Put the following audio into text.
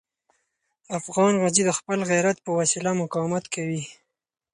افغان غازي د خپل غیرت په وسیله مقاومت کوي.